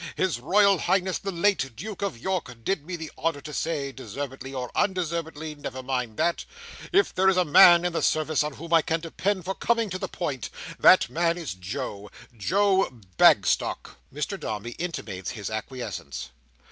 His Royal Highness the late Duke of York did me the honour to say, deservedly or undeservedly—never mind that—'If there is a man in the service on whom I can depend for coming to the point, that man is Joe—Joe Bagstock.'" Mr Dombey intimates his acquiescence.